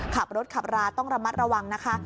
ขับรถขับราต้องระมัดระวังนะคะ